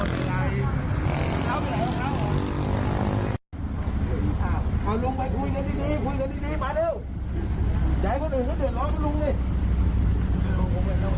อย่าให้คนอื่นเข้าเถื่อนร้อยกับลุงนี่